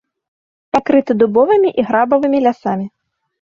Пакрыты дубовымі і грабавымі лясамі.